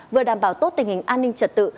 vừa đảm bảo tốt tình hình an ninh trật tự